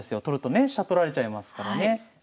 取るとね飛車取られちゃいますからね。